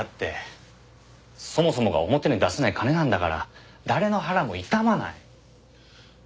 そもそもが表に出せない金なんだから誰の腹も痛まない。